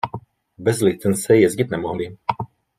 Bez licence jezdit nemohli.